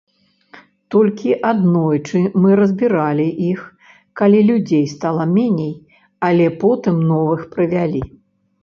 Толькі аднойчы мы разбіралі іх, калі людзей стала меней, але потым новых прывялі.